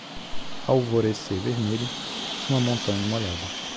Alvorecer vermelho - uma montanha molhada.